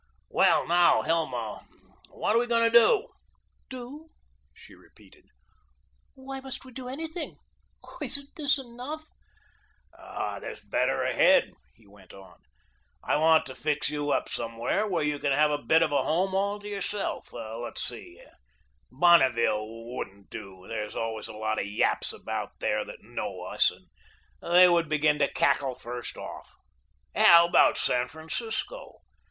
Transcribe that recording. "Well, now, Hilma, what are we going to do?" "Do?" she repeated. "Why, must we do anything? Oh, isn't this enough?" "There's better ahead," he went on. "I want to fix you up somewhere where you can have a bit of a home all to yourself. Let's see; Bonneville wouldn't do. There's always a lot of yaps about there that know us, and they would begin to cackle first off. How about San Francisco.